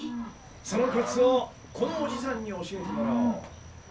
そのコツをこのおじさんに教えてもらおう。